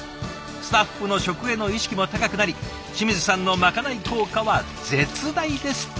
スタッフの食への意識も高くなり清水さんのまかない効果は絶大ですって。